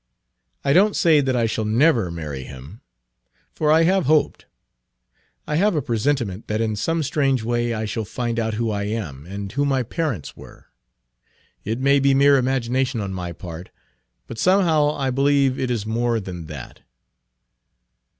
I don't say that I shall never marry him; for I have hoped I have a presentiment that in some strange way I shall find out who I am, and who my parents were. It may be mere imagination on my part, but somehow I believe it is more than that."